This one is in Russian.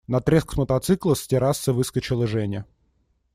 На треск мотоцикла с террасы выскочила Женя.